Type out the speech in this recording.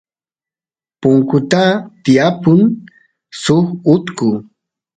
punkuta tiypun suk utku